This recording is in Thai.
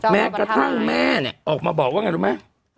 แม้กระทั่งแม่เนี่ยออกมาบอกว่าไงรู้ไหม